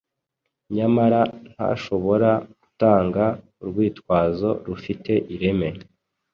nyamara ntashobora gutanga urwitwazo rufite ireme.